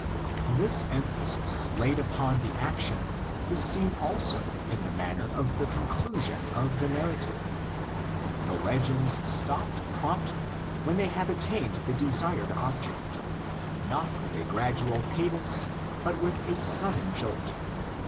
This emphasis laid upon the action is seen also in the manner of the conclusion of the narrative. The legends stop promptly when they have attained the desired object, not with a gradual cadence, but with a sudden jolt.